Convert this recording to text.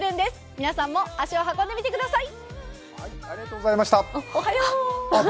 皆さんも足を運んでみてください。